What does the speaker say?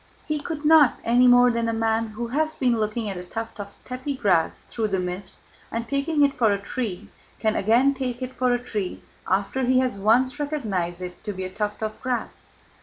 He could not, any more than a man who has been looking at a tuft of steppe grass through the mist and taking it for a tree can again take it for a tree after he has once recognized it to be a tuft of grass.